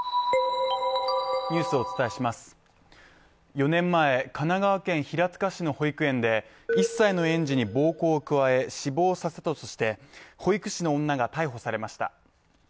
４年前、神奈川県平塚市の保育園で１歳の園児に暴行を加え死亡させたとして、保育士の女が逮捕されました。